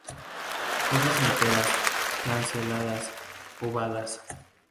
Hojas enteras, lanceoladas, ovadas.